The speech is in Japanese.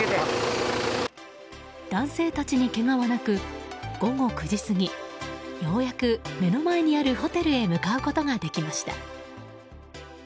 男性たちにけがはなく午後９時過ぎようやく目の前にあるホテルへ向かうことができました。